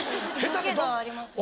色気がありますよ。